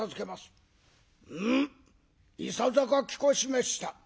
「うん。いささかきこしめした。